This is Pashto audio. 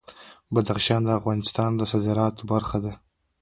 بدخشان د افغانستان د صادراتو برخه ده.